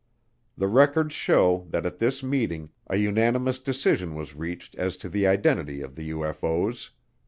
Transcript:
The records show that at this meeting a unanimous decision was reached as to the identity of the UFO's.